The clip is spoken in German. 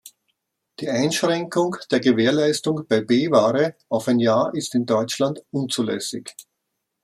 Die Einschränkung der Gewährleistung bei B-Ware auf ein Jahr ist in Deutschland unzulässig.